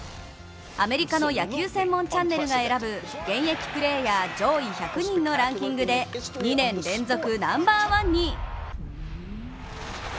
アメリカの野球専門チャンネルが選ぶ現役プレーヤー上位１００人のランキングで２年連続ナンバーワンに。